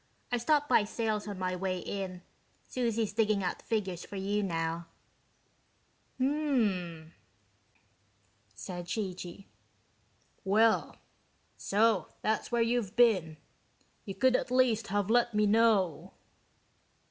I stopped by Sales on my way in Susie's digging out figures for you now." "Hm m m," said G.G. "Well. So that's where you've been. You could at least have let me know."